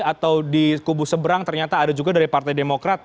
atau di kubu seberang ternyata ada juga dari partai demokrat